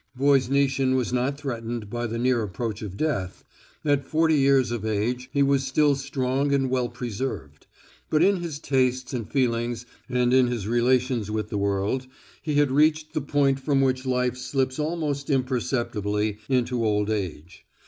Voznitsin was not threatened by the near approach of death; at forty years of age he was still strong and well preserved. But in his tastes and feelings and in his relations with the world he had reached the point from which life slips almost imperceptibly into old age.